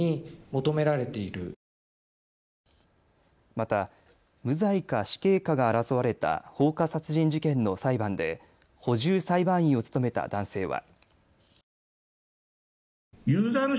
また無罪か死刑かが争われた放火殺人事件の裁判で補充裁判員を務めた男性は。